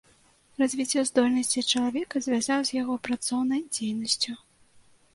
Развіццё здольнасцей чалавека звязваў з яго працоўнай дзейнасцю.